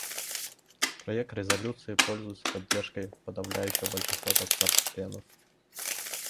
Проект резолюции пользуется поддержкой подавляющего большинства государств-членов.